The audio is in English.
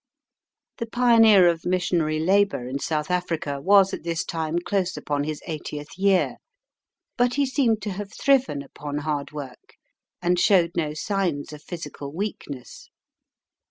The pioneer of missionary labour in South Africa was at this time close upon his eightieth year, but he seemed to have thriven upon hard work, and showed no signs of physical weakness.